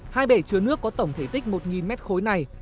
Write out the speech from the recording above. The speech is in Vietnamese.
hai bể chứa nước có tổng thể tích một mét khối này